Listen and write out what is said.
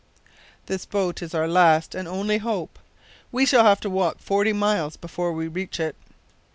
This boat is our last and only hope. We shall have to walk forty miles before we reach it.